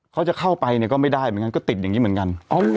เขาจะเข้าไปเนี่ยก็ไม่ได้เหมือนกันก็ติดอย่างนี้เหมือนกัน